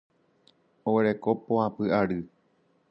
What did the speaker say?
Oguereko poapy ary.